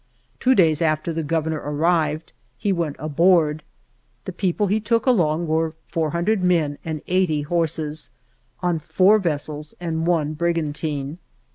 Two days after the Governor ar rived he went aboard. The people he took along were 400 men and eighty horses, on four vessels and one brigantine.